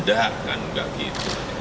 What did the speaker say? tidak kan tidak gitu